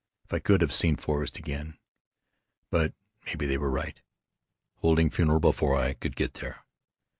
If I could have seen Forrest again. But maybe they were right, holding funeral before I could get there.